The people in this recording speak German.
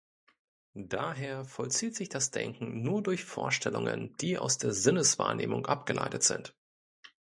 Daher vollzieht sich das Denken nur durch Vorstellungen, die aus der Sinneswahrnehmung abgeleitet sind.